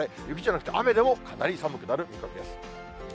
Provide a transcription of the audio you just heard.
雪じゃなくて雨でも、かなり寒くなる見込みです。